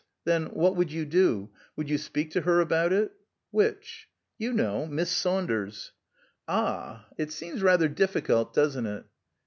Then what would you do? Would you speak to her about it?" "Which?" "You know: Miss Saunders." "Ah! It seems rather difficult, doesn't it?"